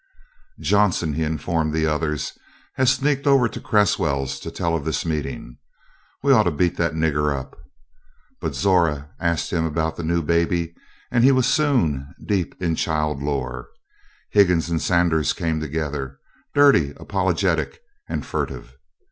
"Johnson," he informed the others, "has sneaked over to Cresswell's to tell of this meeting. We ought to beat that nigger up." But Zora asked him about the new baby, and he was soon deep in child lore. Higgins and Sanders came together dirty, apologetic, and furtive.